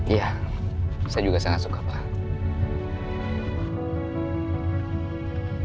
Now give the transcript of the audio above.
iya saya juga sangat suka banget